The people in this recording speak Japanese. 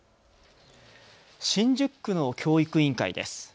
新宿区の教育委員会です。